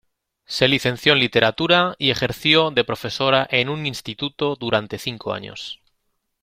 Se licenció en Literatura y ejerció de profesora en un instituto durante cinco años.